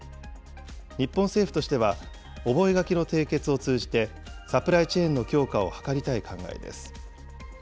日本政府としては、覚書の締結を通じて、サプライチェーンの強化を図りたい考えです。